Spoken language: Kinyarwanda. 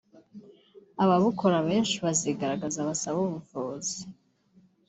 ababukora benshi bazigaragaza basabe ubuvuzi